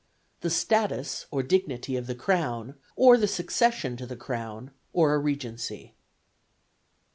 The status or dignity of the Crown, or the succession to the Crown, or a Regency; "(2.)